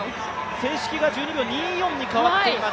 正式が１２秒２４に変わっています。